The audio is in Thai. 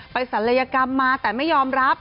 ศัลยกรรมมาแต่ไม่ยอมรับ